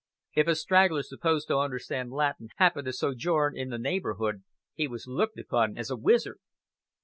If a straggler supposed to understand Latin happened to sojourn in the neighborhood, he was looked upon as a wizard."